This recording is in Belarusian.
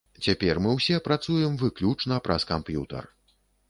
Цяпер мы ўсе працуем выключна праз камп'ютар.